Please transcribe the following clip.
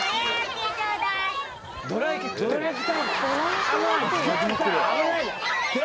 どら焼き？